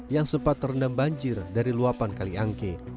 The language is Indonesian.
yang sempat terendam banjir dari luapan kali angke